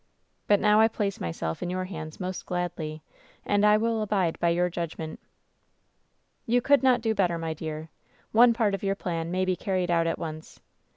But now I place myself in your hands most gladly, and I will abide by your judgment.* " ^You could not do better, my dear. One part of your plan may be carried out at once.